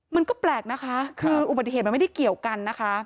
มันก็แปลกนะคะคืออุบัติเหตุมันไม่ได้เกี่ยวกันนะคะ